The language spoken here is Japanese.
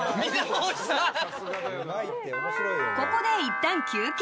ここでいったん休憩。